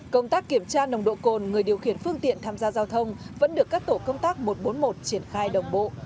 công tác kiểm tra nồng độ cồn người điều khiển phương tiện tham gia giao thông vẫn được các tổ công tác một trăm bốn mươi một triển khai đồng bộ